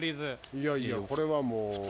いやいやこれはもう。